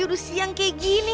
udah siang kayak gini